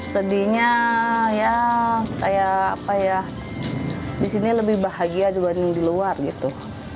sedihnya ya kayak apa ya di sini lebih bahagia dibanding di luar gitu